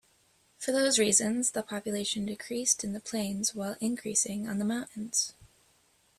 For those reasons, the population decreased in the plains, while increasing on the mountains.